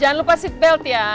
jangan lupa seatbelt ya